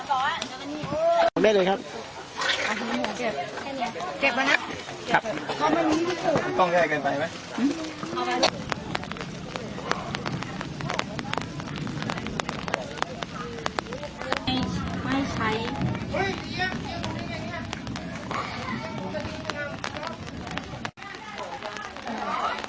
ต้องเล่นแรงกว่าสุดท้ายคือสุดท้ายสุดท้าย